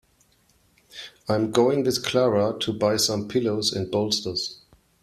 I'm going with Clara to buy some pillows and bolsters.